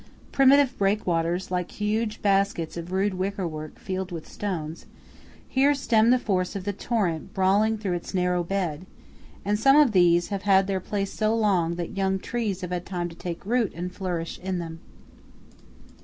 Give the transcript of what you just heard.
Primitive breakwaters, like huge baskets of rude wickerwork filled with stones, here stem the force of the torrent brawling through its narrow bed; and some of these have held their place so long that young trees have had time to take root and flourish in them.